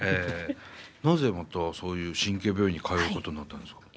なぜまたそういう神経病院に通うことになったんですか？